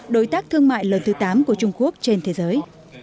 đối tác thương mại lớn thứ tám của trung quốc trên thế giới